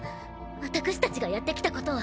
私たちがやってきたことは。